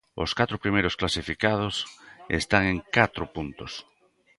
Os catro primeiros clasificados están en catro puntos.